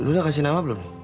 lu udah kasih nama belum